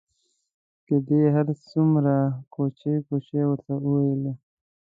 که دې هر څومره کوچې کوچې ورته وویلې.